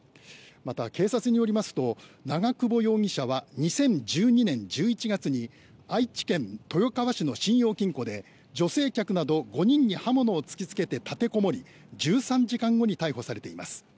また、警察によりますと長久保容疑者は２０１２年１１月に愛知県豊川市の信用金庫で女性客など５人に刃物を突きつけて立てこもり１３時間後に逮捕されています。